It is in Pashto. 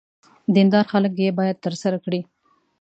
دیندار خلک یې باید ترسره کړي.